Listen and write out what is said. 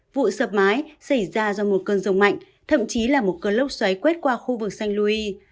vụ sập mái xảy ra do một cơn rông mạnh thậm chí là một cơn lốc xoáy quét qua khu vực sanh lui